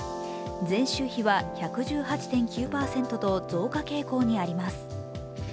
前週比は１１８．９％と増加傾向にあります。